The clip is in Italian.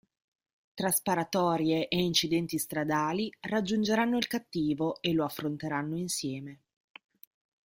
Tra sparatorie e incidenti stradali raggiungeranno il cattivo e lo affronteranno insieme.